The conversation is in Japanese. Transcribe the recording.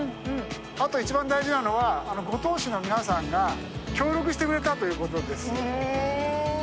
あと一番大事なのは五島市の皆さんが協力してくれたということです。